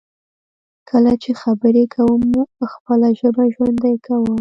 کله چې خبرې کوم، خپله ژبه ژوندی کوم.